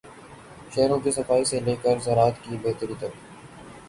شہروں کی صفائی سے لے کر زراعت کی بہتری تک۔